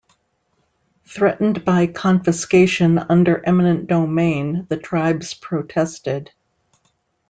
Threatened by confiscation under eminent domain the tribes protested.